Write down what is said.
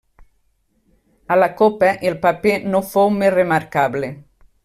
A la Copa el paper no fou més remarcable.